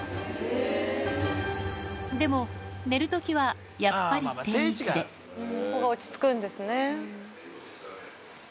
でも寝る時はやっぱり定位置であそこが落ち着くんですね。